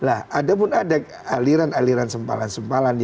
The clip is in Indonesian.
ada pun ada aliran aliran sempalan sempalan